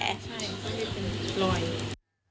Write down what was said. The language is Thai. อีกครั้งนึงก็ใส่ผ้าปิดปากมา